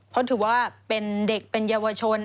เพราะถือว่าเป็นเด็กเป็นเยาวชน